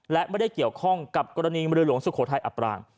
และไม่ได้เกี่ยวข้องกับกรณีเรือหลวงสุโขทัยอับปราง